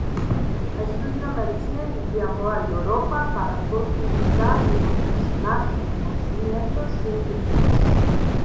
Estudió Medicina y viajó a Europa para profundizar y perfeccionar sus conocimientos científicos.